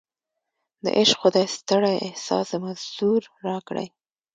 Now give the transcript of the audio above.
د عشق خدای ستړی احساس د مزدور راکړی